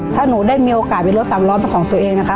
ถ้าหนูได้มีโอกาสมีรถสามล้อเป็นของตัวเองนะคะ